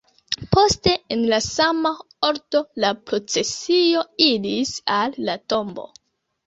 Poste en la sama ordo la procesio iris al la tombo.